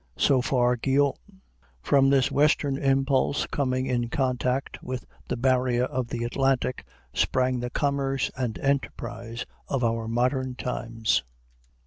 So far Guyot. From this western impulse coming in contact with the barrier of the Atlantic sprang the commerce and enterprise of modern times.